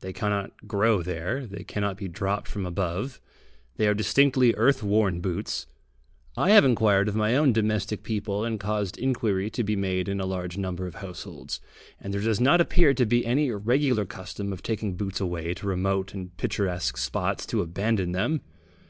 They cannot grow there, they cannot be dropped from above they are distinctly earth worn boots. I have inquired of my own domestic people, and caused inquiry to be made in a large number of households, and there does not appear to be any regular custom of taking boots away to remote and picturesque spots to abandon them.